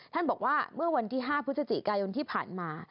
ท่านบอกว่าเมื่อวันที่๕พฤศจิกายนที่ผ่านมา